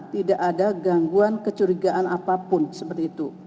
tidak ada gangguan kecurigaan apapun seperti itu